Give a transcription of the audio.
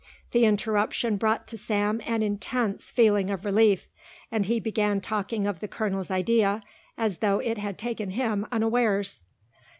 The interruption brought to Sam an intense feeling of relief and he began talking of the colonel's idea as though it had taken him unawares.